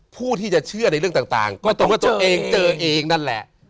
ผู้ที่จะเชื่อในเรื่องต่างก็ตรงว่าตัวเองเจอเองนั่นแหละ